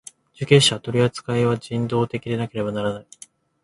受刑者の取扱いは人道的でなければならない。